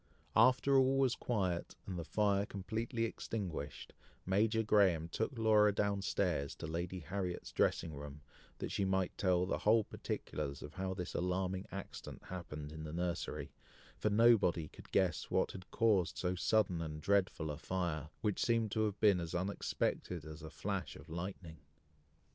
After all was quiet, and the fire completely extinguished, Major Graham took Laura down stairs to Lady Harriet's dressing room, that she might tell the whole particulars of how this alarming accident happened in the nursery, for nobody could guess what had caused so sudden and dreadful a fire, which seemed to have been as unexpected as a flash of lightning.